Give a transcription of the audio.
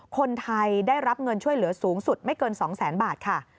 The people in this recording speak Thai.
คนไทยได้รับเงินช่วยเหลือสูงสุดไม่เกิน๒แสนบาทค่ะ